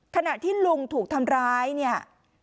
ขณะที่ลุงถูกทำร้ายเนี่ย